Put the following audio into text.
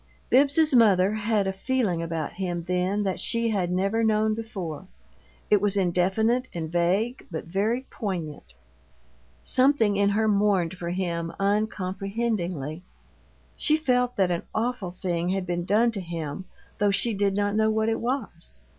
Bibbs's mother had a feeling about him then that she had never known before; it was indefinite and vague, but very poignant something in her mourned for him uncomprehendingly. She felt that an awful thing had been done to him, though she did not know what it was.